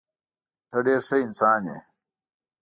ته ډېر ښه انسان یې.